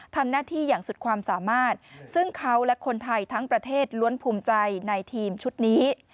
ทำหน้าที่อย่างสุดความสามารถซึ่งเขาและคนไทยทั้งประเทศล้วนภูมิใจในทีมชุดนี้